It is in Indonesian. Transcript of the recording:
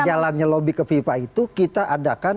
jalannya lobby ke fifa itu kita adakan